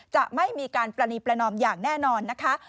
จะไม่มีการปรณีประนอมอย่างแน่นอนนะคะ